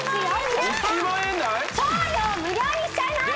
皆さん送料無料にしちゃいます